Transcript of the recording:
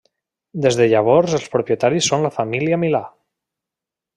Des de llavors els propietaris són la família Milà.